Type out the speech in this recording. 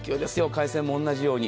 海鮮も同じように。